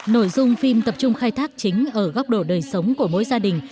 nội dung phim tập trung khai thác chính ở góc độ đời sống của mỗi gia đình